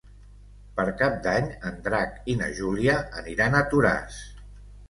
Per Cap d'Any en Drac i na Júlia aniran a Toràs.